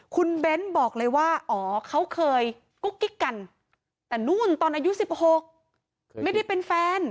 คุณเบ้นบอกเลยว่าอ๋อเขาเคยกุ๊กกิ๊กกันแต่นู่นตอนอายุ๑๖ไม่ได้เป็นแฟน